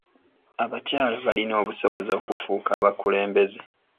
Abakyala balina obusobozi okufuuka abakulembeze.